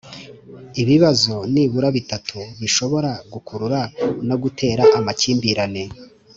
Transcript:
ibibazo nibura bitatu bishobora gukurura no gutera amakimbirane